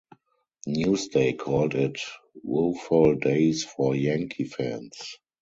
"Newsday" called it "woeful days for Yankee fans".